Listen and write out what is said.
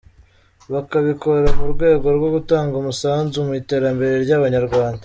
Bakabikora mu rwego rwo gutanga umusanzu mu iterambere ry’Abanyarwanda.